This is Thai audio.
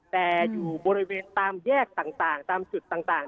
แต่อยู่บริเวณตามแยกต่างตามจุดต่าง